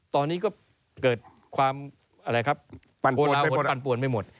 ตอนนี้ก็เกิดความโปรดอดปั่นปวนไปหมด